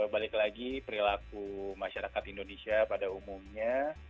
balik lagi perilaku masyarakat indonesia pada umumnya